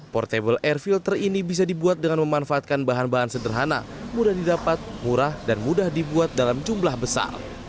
portable air filter ini bisa dibuat dengan memanfaatkan bahan bahan sederhana mudah didapat murah dan mudah dibuat dalam jumlah besar